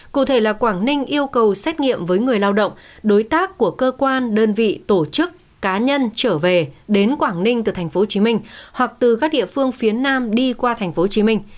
cụ thể là quảng ninh yêu cầu xét nghiệm với người lao động đối tác của cơ quan đơn vị tổ chức cá nhân trở về đến quảng ninh từ tp hcm hoặc từ các địa phương phía nam đi qua tp hcm